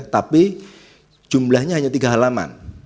tapi jumlahnya hanya tiga halaman